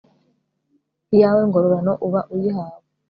iyawe ngororano uba uyihawe